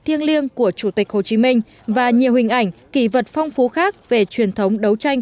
thiêng liêng của chủ tịch hồ chí minh và nhiều hình ảnh kỳ vật phong phú khác về truyền thống đấu tranh